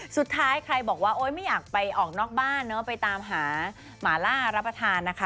สุดท้ายใครบอกว่าโอ๊ยไม่อยากไปออกนอกบ้านเนอะไปตามหาหมาล่ารับประทานนะคะ